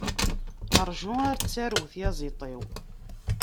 Ṛǧu ar d tarew tyaziḍt-iw!